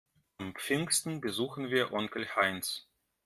An Pfingsten besuchen wir Onkel Heinz.